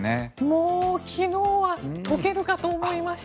もう、昨日は溶けるかと思いました。